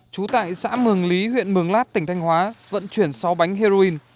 trú tại xã mường lý huyện mường lát tỉnh thanh hóa vận chuyển sáu bánh heroin